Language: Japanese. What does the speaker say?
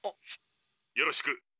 よろしく。